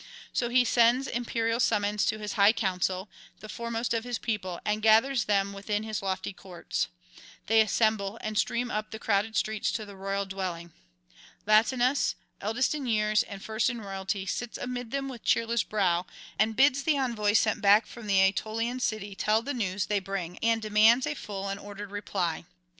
So he sends imperial summons to [235 269]his high council, the foremost of his people, and gathers them within his lofty courts. They assemble, and stream up the crowded streets to the royal dwelling. Latinus, eldest in years and first in royalty, sits amid them with cheerless brow, and bids the envoys sent back from the Aetolian city tell the news they bring, and demands a full and ordered reply.